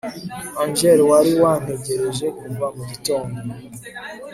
Angel wari wantegereje kuva mu gitondo